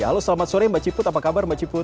halo selamat sore mbak ciput apa kabar mbak ciput